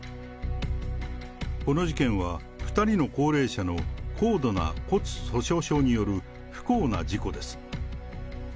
この事件は、２人の高齢者の高度な骨粗しょう症による不幸な事故です。